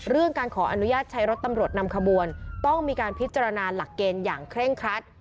การขออนุญาตใช้รถตำรวจนำขบวนต้องมีการพิจารณาหลักเกณฑ์อย่างเคร่งครัด